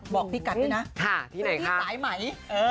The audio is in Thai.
บอกพี่กัดด้วยนะพี่สายไหม